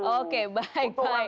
oke baik baik